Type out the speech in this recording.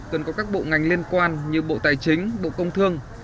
cần có các bộ ngành liên quan như bộ tài chính bộ công thương